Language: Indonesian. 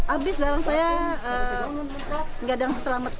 abis barang saya gak ada yang selamat